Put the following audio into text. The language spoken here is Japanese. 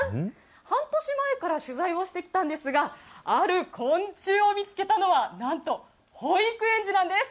半年前から取材をしてきたんですが、ある昆虫を見つけたのは、なんと保育園児なんです。